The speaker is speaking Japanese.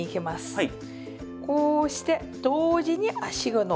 はい。